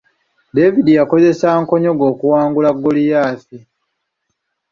David yakozesa nkonyogo okuwangula Goliath.